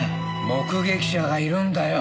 目撃者がいるんだよ！